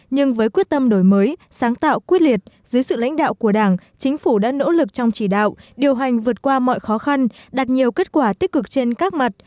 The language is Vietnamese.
nhưng với quyết tâm đổi mới sáng tạo quyết liệt dưới sự lãnh đạo của đảng chính phủ đã nỗ lực trong chỉ đạo điều hành vượt qua mọi khó khăn đạt nhiều kết quả tích cực trên các mặt